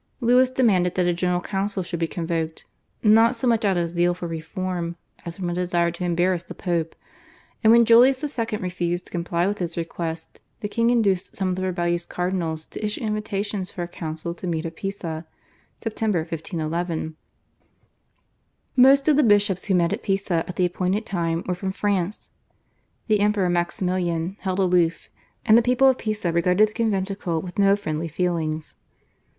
Louis demanded that a General Council should be convoked, not so much out of zeal for reform as from a desire to embarrass the Pope, and when Julius II. refused to comply with his request the king induced some of the rebellious cardinals to issue invitations for a council to meet at Pisa (Sept. 1511). Most of the bishops who met at Pisa at the appointed time were from France. The Emperor Maximilian held aloof, and the people of Pisa regarded the conventicle with no friendly feelings.